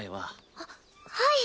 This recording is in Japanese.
あっはい。